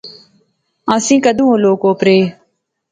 آنسیں کیدوں او لوک اوپرے